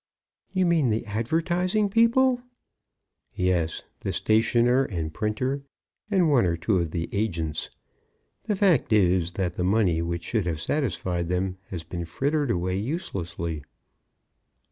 "You mean the advertising people?" "Yes; the stationer and printer, and one or two of the agents. The fact is, that the money, which should have satisfied them, has been frittered away uselessly."